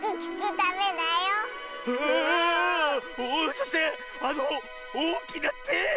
そしてあのおおきな「て」！